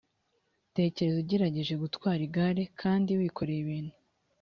tekereza ugerageje gutwara igare kandi wikoreye ibintu